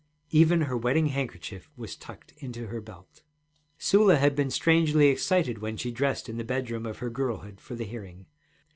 Even her wedding handkerchief was tucked into her belt. Sula had been strangely excited when she dressed in the bedroom of her girlhood for the hearing.